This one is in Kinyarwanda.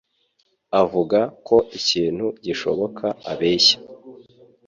avuga ko ikintu gishoboka abeshya